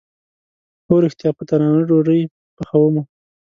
هو ریښتیا، په تناره ډوډۍ پخومه